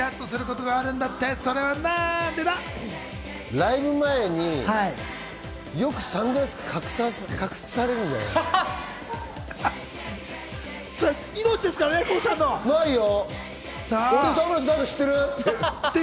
ライブ前によくサングラスを隠されるんじゃない？